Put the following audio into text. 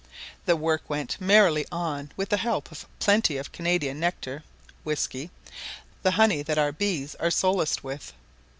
The work went merrily on with the help of plenty of Canadian nectar (whiskey), the honey that our bees are solaced with.